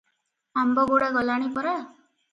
ଆମ୍ବଗୁଡ଼ା ଗଲାଣି ପରା ।